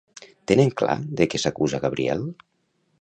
Tenen clar de què s'acusa Gabriel?